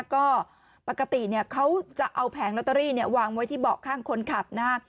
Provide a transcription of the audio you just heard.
ก็ปกติเขาจะเอาแผงลอตเตอรี่วางไว้ที่เบาะข้างคนขับนะฮะ